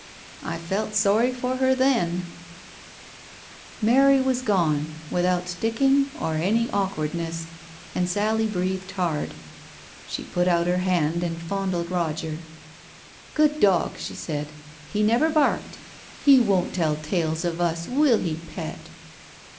I felt sorry for her then. Digitized by Google 192 TALES OF THE UNEASY Mary was gone, without sticking or any awkwardness, and Sally breathed hard. She put out her hand and fondled Roger. " Good dog !" she said. " He never barked. He won't tell tales of us, will he, pet